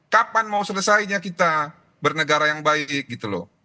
kapan mau selesainya kita bernegara yang baik gitu loh